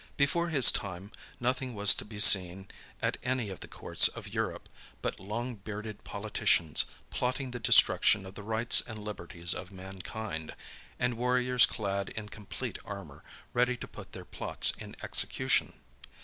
Before his time, nothing was to be seen at any of the courts of Europe, but long bearded politicians, plotting the destruction of the rights and liberties of mankind; and warriors clad in complete armor, ready to put their plots in execution.